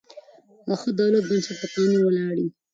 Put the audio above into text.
د ښه دولت بنسټ پر قانون ولاړ يي.